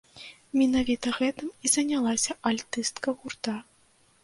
Менавіта гэтым і занялася альтыстка гурта.